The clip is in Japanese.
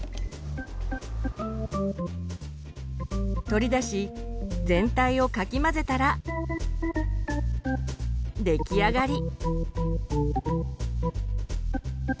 取り出し全体をかき混ぜたら出来上がり。